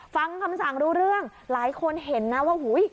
ฟังคำสั่งรู้เรื่องหลายคนเห็นนะว่าหุ้ย